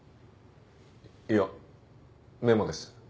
いやメモです。